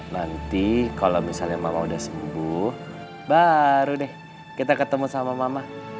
nanti kalau misalnya mama udah sembuh baru deh kita ketemu sama mama